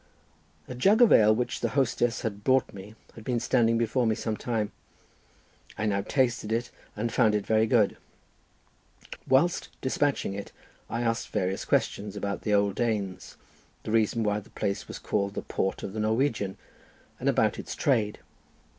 A jug of ale which the hostess had brought me had been standing before me some time. I now tasted it and found it very good. Whilst dispatching it, I asked various questions about the old Danes, the reason why the place was called the port of the Norwegian, and about its trade.